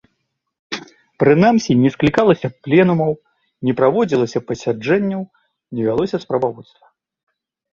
Прынамсі, не склікалася пленумаў, не праводзілася пасяджэнняў, не вялося справаводства.